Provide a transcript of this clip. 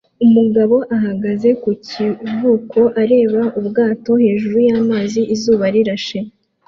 Umugabo ahagaze ku kivuko areba ubwato hejuru y'amazi izuba rirashe